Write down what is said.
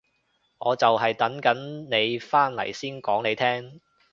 我就係等緊你返嚟先講你聽